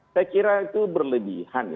saya kira itu berlebihan